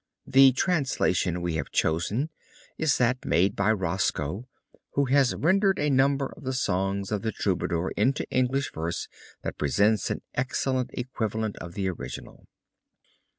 The translation we have chosen is that made by Roscoe who has rendered a number of the songs of the Troubadours into English verse that presents an excellent equivalent of the original.